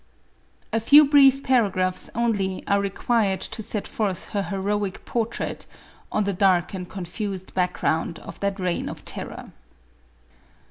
A few brief paragraphs only are required to set forth her heroic portrait, on the dark and confused background of that reign of terror.